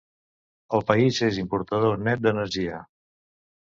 El país és importador net d'energia.